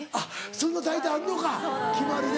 そういうの大体あるのか決まりで。